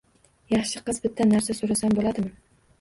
- Yaxshi qiz, bitta narsa so'rasam bo'ladimi?